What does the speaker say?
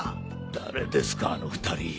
誰ですかあの２人。